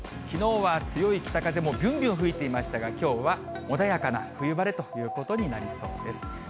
きのうは強い北風もびゅんびゅん吹いていましたが、きょうは穏やかな冬晴れということになりそうです。